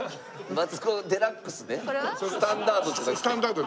スタンダード。